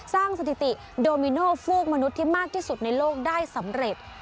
สถิติโดมิโนฟูกมนุษย์ที่มากที่สุดในโลกได้สำเร็จ